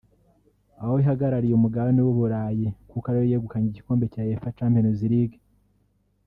aho ihagarariye umugabane w’uburayi kuko ariyo yegukanye igikombe cya Uefa Championsleague